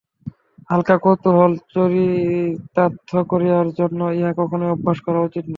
হাল্কা কৌতূহল চরিতার্থ করিবার জন্য ইহা কখনই অভ্যাস করা উচিত নয়।